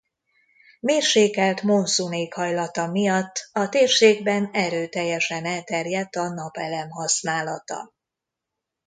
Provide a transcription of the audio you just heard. Mérsékelt monszun éghajlata miatt a térségben erőteljesen elterjedt a napelem használata.